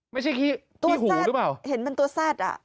ไม่ใช่ที่หูหรือเปล่าเห็นเป็นตัวซาดอ่ะ